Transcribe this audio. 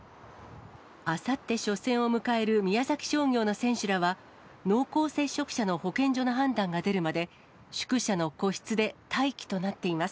あさって初戦を迎える宮崎商業の選手らは、濃厚接触者の保健所の判断が出るまで、宿舎の個室で待機となっています。